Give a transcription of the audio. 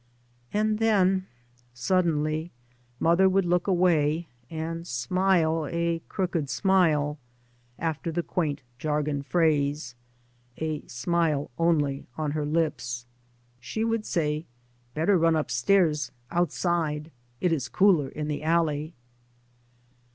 And then suddenly mother would look away, and 3 by Google MY MOTHER AND I smile " a crooked smile," after the quaint jargon phrase, a smile only on her lips. She would say, " Better run upstairs outside. It is cooler in the alley."